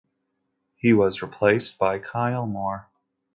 He was replaced by Kyle Moore.